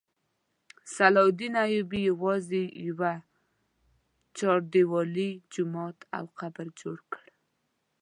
صلاح الدین ایوبي یوازې یوه چاردیوالي، جومات او قبر جوړ کړ.